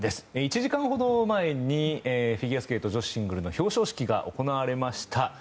１時間ほど前にフィギュアスケート女子シングルの表彰式が行われました。